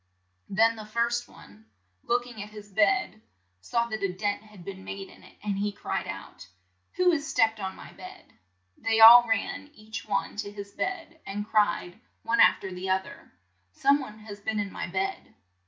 . Then the first one, look ing at his bed, saw that a dent had been made in it, and he cried out, "Who has stepped on my bed?" They all ran each one to his bed, and cried, one af ter the oth er, "Some one has been in my bed."